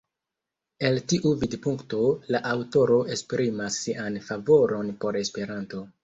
El tiu vidpunkto, la aŭtoro esprimas sian favoron por Esperanto.